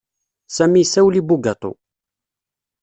Sami issawel i bugaṭu.